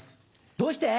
どうして？